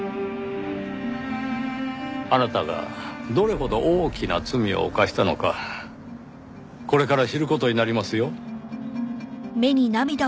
あなたがどれほど大きな罪を犯したのかこれから知る事になりますよ。